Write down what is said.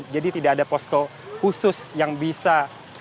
jadi tidak ada posko khusus yang bisa memusat